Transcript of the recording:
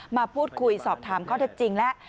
มาพูดคุยสอบถามก็จริงและ